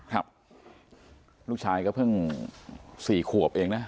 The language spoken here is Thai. ครับลูกชายก็เพิ่ง๔ขวบเองนะ